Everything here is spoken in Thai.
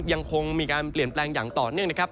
ยังคงมีการเปลี่ยนแปลงอย่างต่อเนื่องนะครับ